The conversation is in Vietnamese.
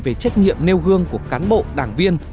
về trách nhiệm nêu gương của cán bộ đảng viên